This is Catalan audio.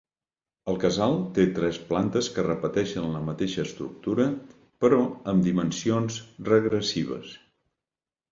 El casal té tres plantes que repeteixen la mateixa estructura però amb dimensions regressives.